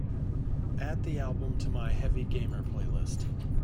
Add the album to my Heavy Gamer playlist.